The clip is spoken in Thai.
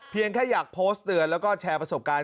แค่อยากโพสต์เตือนแล้วก็แชร์ประสบการณ์